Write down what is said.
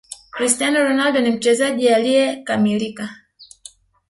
cristiano ronaldo ni mchezaji alieyekamilika